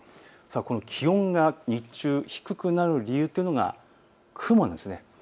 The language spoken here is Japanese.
気温が日中、低くなる理由というのが雲です。